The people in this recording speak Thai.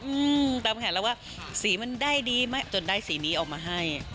อืมตามแขนแล้วว่าสีมันได้ดีมากจนได้สีนี้ออกมาให้